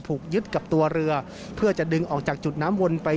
ถูกยึดกับตัวเรือเพื่อจะดึงออกจากจุดน้ำวนไป